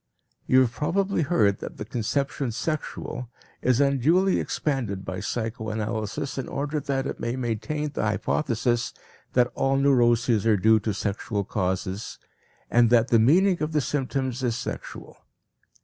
You have probably heard that the conception "sexual" is unduly expanded by psychoanalysis in order that it may maintain the hypothesis that all neuroses are due to sexual causes and that the meaning of the symptoms is sexual.